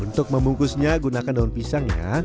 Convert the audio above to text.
untuk membungkusnya gunakan daun pisangnya